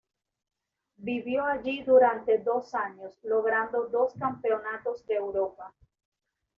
Vivió allí durante dos años, logrando dos campeonatos de Europa.